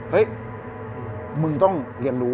เฮ้ยมึงต้องเรียนรู้